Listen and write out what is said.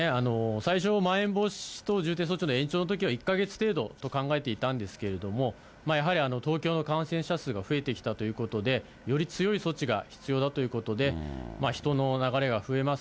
最初、まん延防止等重点措置の延長のときは１か月程度と考えていたんですけれども、やはり東京の感染者数が増えてきたということで、より強い措置が必要だということで、人の流れが増えます